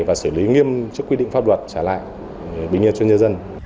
và xử lý nghiêm trước quy định pháp luật trả lại bình yên cho nhân dân